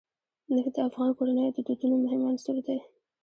نفت د افغان کورنیو د دودونو مهم عنصر دی.